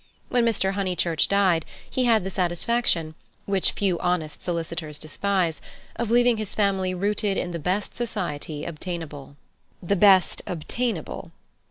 When Mr. Honeychurch died, he had the satisfaction—which few honest solicitors despise—of leaving his family rooted in the best society obtainable. The best obtainable.